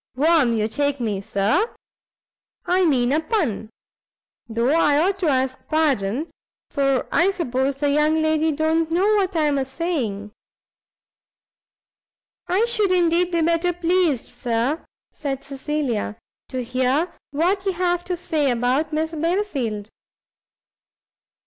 warm, you take me, Sir? I mean a pun. Though I ought to ask pardon, for I suppose the young lady don't know what I am a saying." "I should indeed be better pleased, Sir," said Cecilia, "to hear what you have to say about Miss Belfield."